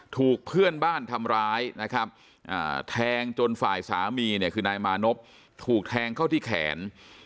ถูกเพื่อนบ้านทำร้ายแทงจนฝ่ายสามีนายมานพถูกแทงเข้าที่แขน